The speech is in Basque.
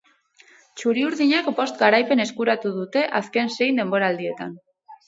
Txuriurdinek bost garaipen eskuratu dute azken sei denboraldietan.